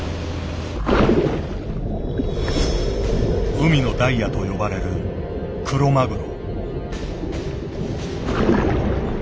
「海のダイヤ」と呼ばれるクロマグロ。